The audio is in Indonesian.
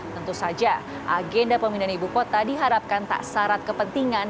tentu saja agenda pemindahan ibu kota diharapkan tak syarat kepentingan